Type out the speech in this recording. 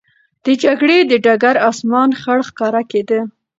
د جګړې د ډګر آسمان خړ ښکاره کېده.